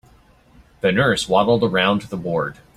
The nurse waddled around the ward.